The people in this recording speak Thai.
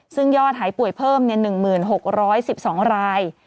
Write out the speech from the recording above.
ซึ่งยอดหายป่วยเพิ่ม๑๖๑๒ราย